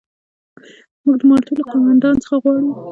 موږ د مالټا له قوماندان څخه غواړو.